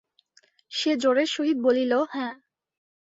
সে জোরের সহিত বলিল, হাঁ।